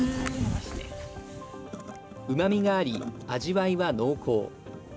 うまみがあり、味わいは濃厚。